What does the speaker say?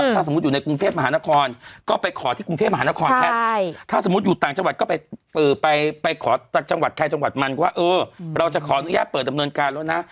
ถ้าสมมุติอยู่ในกรุงเทพมหานครก็ไปขอที่กรุงเทพมหานครแทนถ้าสมมุติอยู่ต่างจังหวัดก็ไปขอต่างจังหวัดใครจังหวัดมันก็เออเราจะขออนุญาตเปิดดำเนินการแล้วนะ